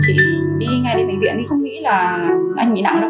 chỉ đi ngay đến bệnh viện thì không nghĩ là anh bị nặng đâu